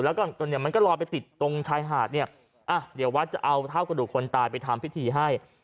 แล้วก็รอไปติดตรงท้ายหาดวัดจะเอาเท้ากระดูกคนตายไปทำพิธีให้